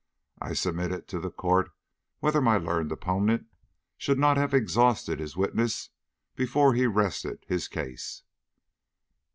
I submit it to the court whether my learned opponent should not have exhausted his witness before he rested his case."